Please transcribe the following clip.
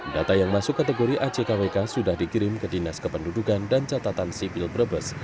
data yang masuk kategori ackkwk sudah dikirim ke dinas kependudukan dan catatan sipil brebes